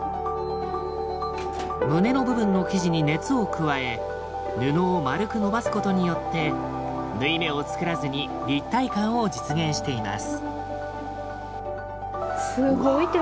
胸の部分の生地に熱を加え布を丸く伸ばすことによって縫い目をつくらずに立体感を実現しています。